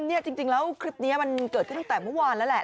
เนี่ยจริงแล้วคลิปนี้มันเกิดขึ้นตั้งแต่เมื่อวานแล้วแหละ